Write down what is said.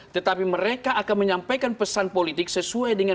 tetapi mereka akan menyampaikan pesan politik sesuai dengan